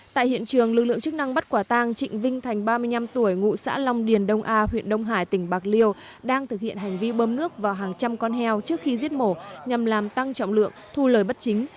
tại hiện trường lực lượng chức năng bắt quả tang trịnh vinh thành ba mươi năm tuổi ngụ xã long điền đông a huyện đông hải tỉnh bạc liêu đang thực hiện hành vi bơm nước vào hàng trăm con heo trước khi giết mổ nhằm làm tăng trọng lượng thu lời bất chính